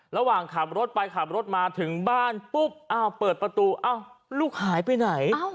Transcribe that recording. ระหว่างขับรถไปขับรถมาถึงบ้านปุ๊บอ้าวเปิดประตูอ้าวลูกหายไปไหน